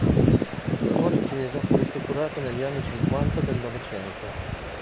L'attuale chiesa fu ristrutturata negli anni cinquanta del Novecento.